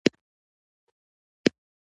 اوبه خوندي کړه.